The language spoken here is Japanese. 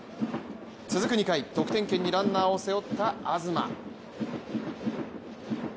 続く２回、得点圏にランナーを背負った東。